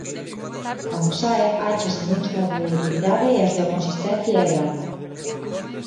Cando sae áchase nun estado de debilidade e a súa consistencia é branda.